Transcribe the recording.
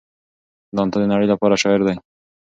دانته د نړۍ لپاره شاعر دی.